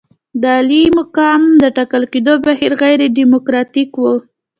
د عالي مقام د ټاکل کېدو بهیر غیر ډیموکراتیک وو.